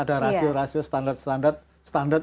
ada rasio rasio standar standar standar